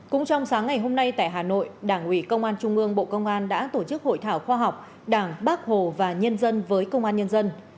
cũng trong sáng ngày hôm nay tại hà nội đảng ủy công an trung ương bộ công an đã tổ chức hội thảo khoa học đảng bác hồ và nhân dân với công an nhân dân